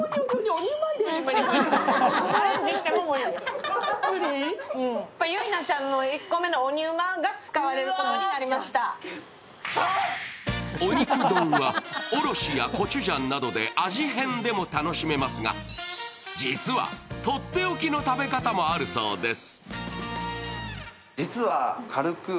鬼く丼は、おろしやコチュジャンなどで味変でも楽しめますが、実はとっておきの食べ方もあるそうです。